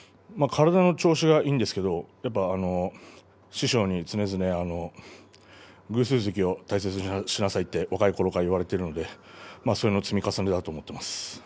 体の調子はいいんですが師匠に常々偶数月は大切にしなさいと若いころから言われているのでその積み重ねだと思っています。